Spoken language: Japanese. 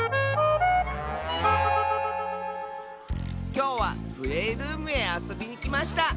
きょうはプレールームへあそびにきました！